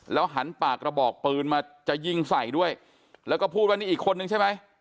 หันปากกระบอกปืนมาจะยิงใส่ด้วยแล้วก็พูดว่านี่อีกคนนึงใช่ไหม